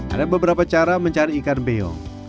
ada beberapa cara mencari ikan beong